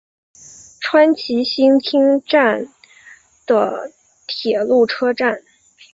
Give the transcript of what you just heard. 川崎新町站的铁路车站。